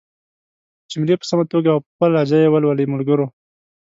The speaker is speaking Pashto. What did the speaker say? جملې په سمه توګه او په خپله لهجه ېې ولولئ ملګرو!